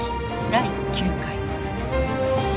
第９回。